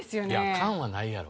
缶はないやろ。